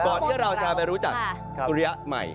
ที่เราจะไปรู้จักสุริยะใหม่